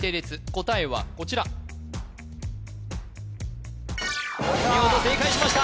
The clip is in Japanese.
答えはこちら見事正解しました